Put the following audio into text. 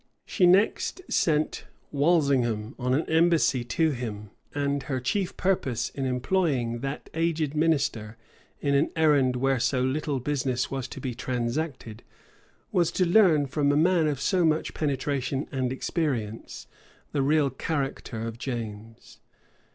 [] She next sent Walsingham on an embassy to him; and her chief purpose in employing that aged minister in an errand where so little business was to be transacted, was to learn, from a man of so much penetration and experience, the real character of James.